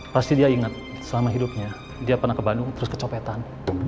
pasti dia ingat selama hidupnya dia pernah ke bandung terus kecopetan